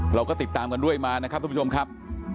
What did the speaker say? เราก็ติดตามกันด้วยมานะครับทุกผู้ชมครับ